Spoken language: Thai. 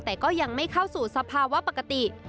แต่ก็ยังไม่เข้าสู่สภาวะปกติ